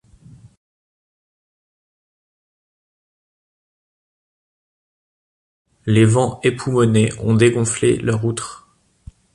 Les vents époumonés ont dégonflé leur outre.